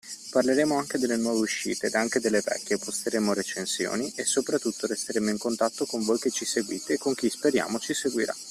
Parleremo anche delle nuove uscite, ed anche delle vecchie, posteremo recensioni, e soprattutto resteremo in contatto con voi che ci seguite e con chi (speriamo) ci seguirà.